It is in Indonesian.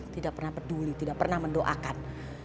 tidak pernah peduli tidak pernah mendoakan